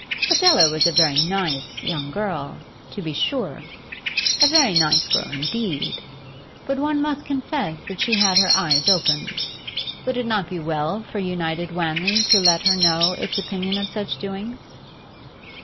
Adela was a very nice young girl, to be sure, a very nice girl indeed, but one must confess that she had her eyes open. Would it not be well for united Wanley to let her know its opinion of such doings?